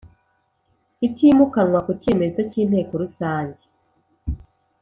itimukanwa ku cyemezo cy Inteko Rusange